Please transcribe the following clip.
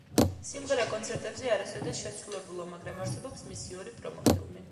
სიმღერა კონცერტებზე არასოდეს შესრულებულა, მაგრამ არსებობს მისი ორი პრომო ფილმი.